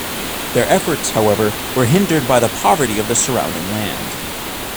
Their efforts, however, were hindered by the poverty of the surrounding land.